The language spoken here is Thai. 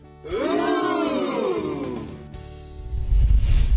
อู้วววว